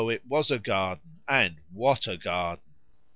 it was a garden, and what a garden!